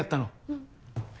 うん。